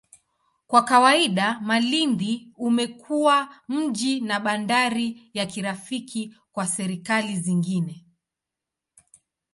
Kwa kawaida, Malindi umekuwa mji na bandari ya kirafiki kwa serikali zingine.